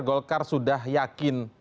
golkar sudah yakin